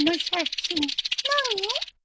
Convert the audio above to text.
何？